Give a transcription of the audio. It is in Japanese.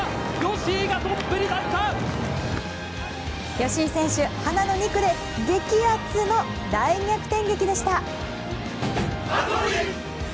吉居選手、華の２区で激熱の大逆転劇でした。